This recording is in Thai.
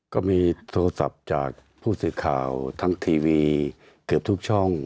ก็มีโทรศัพท์จากผู้สื่อข่าวทั้งทีวีเกือบทุกช่อง